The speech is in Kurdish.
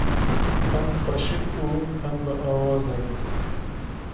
Him xweşik û him biawaz e.